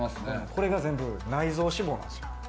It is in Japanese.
これが全部、内臓脂肪なんですよ。